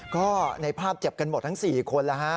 ก็ในภาพเจ็บกันหมดทั้ง๔คนแล้วฮะ